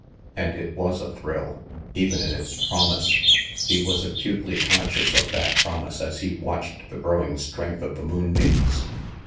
And it was a thrill, even in its promise. He was acutely conscious of that promise as he watched the growing strength of the moonbeams.